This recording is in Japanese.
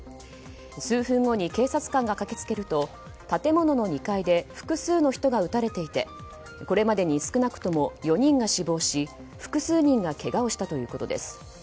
数分後に警察官が駆けつけると建物の２階で複数の人が撃たれていてこれまでに少なくとも４人が死亡し複数人がけがをしたということです。